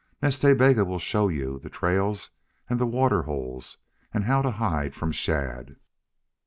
"Nas Ta Bega will show you the trails and the water holes and how to hide from Shadd."